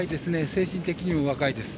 精神的にも若いです。